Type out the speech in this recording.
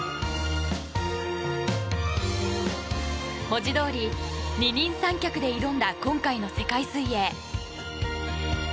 文字どおり、二人三脚で挑んだ今回の世界水泳。